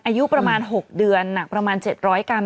อายุประมาณ๖เดือนหนักประมาณ๗๐๐กรัม